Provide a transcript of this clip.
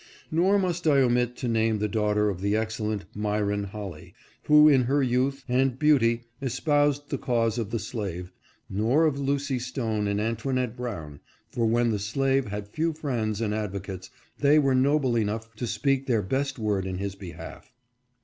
Nor must I omit to name the daughter of the excellent Myron Holly, who in her youth and beauty espoused the cause of the slave, nor of Lucy Stone and Antoinette Brown, for when the slave had few friends and advocates they were noble enough to speak their best word in his behalf.